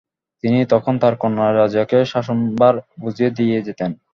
তিনি তখন তার কন্যা রাজিয়াকে শাসনভার বুঝিয়ে দিয়ে যেতেন।